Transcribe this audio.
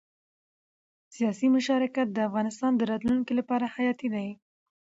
سیاسي مشارکت د افغانستان د راتلونکي لپاره حیاتي دی